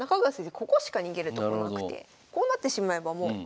ここしか逃げるとこなくてこうなってしまえばもう久保先生